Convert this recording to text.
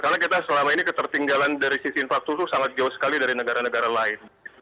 karena kita selama ini ketertinggalan dari sisi infrastruktur sangat jauh sekali dari negara negara lain